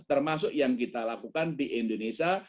termasuk yang kita lakukan di indonesia